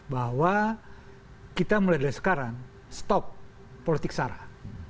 bahwa kita mulai dari sekarang stok politik sarah